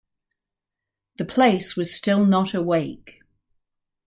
The place was still not awake.